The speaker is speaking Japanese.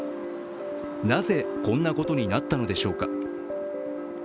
なぜ、こんなことになったのでしょうか。